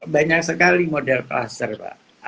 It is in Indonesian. banyak sekali model cluster pak